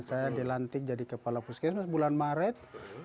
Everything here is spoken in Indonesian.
saya dilantik jadi kepala puskesmas bulan maret